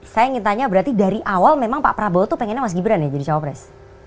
saya ingin tanya berarti dari awal memang pak prabowo tuh pengennya mas gibran ya jadi cawapres